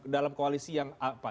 dalam koalisi yang apa